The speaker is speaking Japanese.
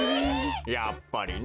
やっぱりね。